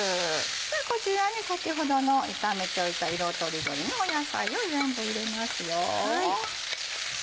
こちらに先ほどの炒めておいた色取り取りの野菜を全部入れます。